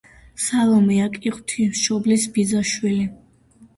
სალომეა კი იყო ღვთისმშობლის ბიძაშვილი.